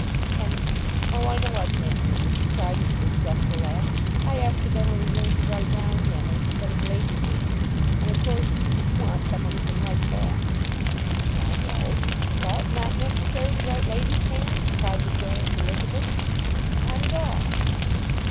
"And—O, I know I shan't do!"—she cried with a distressful laugh. "I accidentally learned to write round hand instead of ladies' hand. And, of course, you want some one who can write that?" "Well, no." "What, not necessary to write ladies' hand?" cried the joyous Elizabeth. "Not at all."